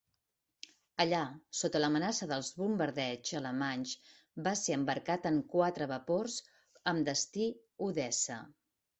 Allà, sota l'amenaça dels bombardeigs alemanys, va ser embarcat en quatre vapors amb destí Odessa.